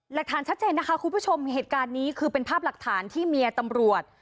หลักฐานชัดเจนนะคะคุณผู้ชมเหตุการณ์นี้คือเป็นภาพหลักฐานที่เมียตำรวจ